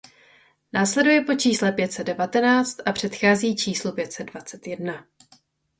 Následuje po čísle pět set devatenáct a předchází číslu pět set dvacet jedna.